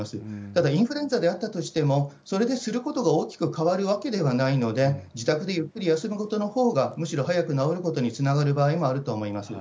ただ、インフルエンザであったとしても、それですることが大きく変わるわけではないので、自宅でゆっくり休むことのほうが、むしろ早く治ることにつながる場合もあると思います。